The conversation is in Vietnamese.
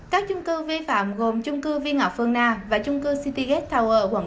các trung cư vi phạm gồm trung cư viên ngọc phương na và trung cư city gate tower ở quận tám